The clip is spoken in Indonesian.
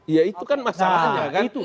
itu kan masalahnya kan